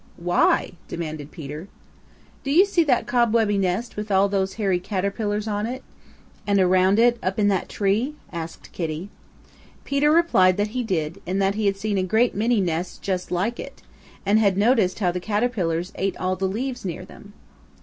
"Why?" demanded Peter. "Do you see that cobwebby nest with all those hairy caterpillars on it and around it up in that tree?" asked Kitty. Peter replied that he did and that he had seen a great many nests just like it, and had noticed how the caterpillars ate all the leaves near them.